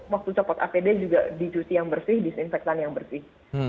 waktu copot apd juga dicuci yang bersih disinfektan yang bersih